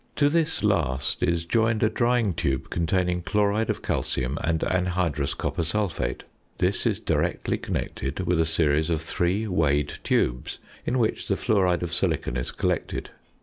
To this last is joined a drying tube containing chloride of calcium and anhydrous copper sulphate. This is directly connected with a series of three weighed tubes in which the fluoride of silicon is collected.